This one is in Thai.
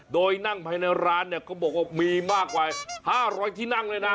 โดยนั่งภายในร้านเนี่ยเขาบอกว่ามีมากกว่า๕๐๐ที่นั่งเลยนะ